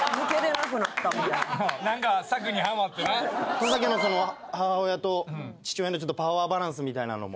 これだけのその母親と父親のパワーバランスみたいなのも。